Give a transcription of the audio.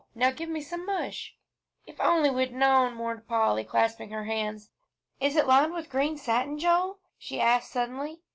Now give me some mush!" "If we only had known!" mourned Polly, clasping her hands. "Is it lined with green satin, Joel?" she asked suddenly.